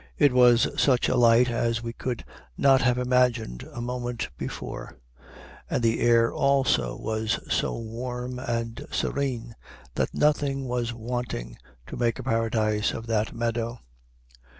It was such a light as we could not have imagined a moment before, and the air also was so warm and serene that nothing was wanting to make a paradise of that meadow.